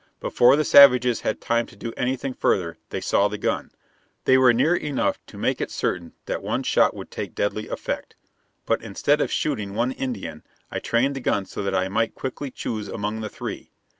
Before the savages had time to do anything further they saw the gun. They were near enough to make it certain that one shot would take deadly effect; but instead of shooting one Indian, I trained the gun so that I might quickly choose among the three.